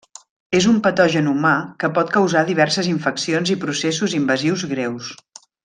És un patogen humà que pot causar diverses infeccions i processos invasius greus.